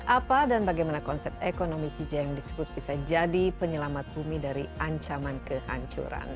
apa dan bagaimana konsep ekonomi hijau yang disebut bisa jadi penyelamat bumi dari ancaman kehancuran